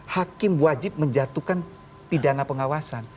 hakim wajib menjatuhkan pidana pengawasan